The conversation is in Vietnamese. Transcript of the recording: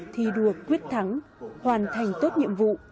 thi đua quyết thắng hoàn thành tốt nhiệm vụ